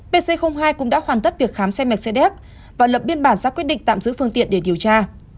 pc hai cũng đã hoàn tất việc khám xe mercedes và lập biên bản ra quyết định tạm giữ phương tiện để điều tra